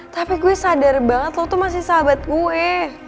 tapi gue sadar banget lo tuh masih sahabat gue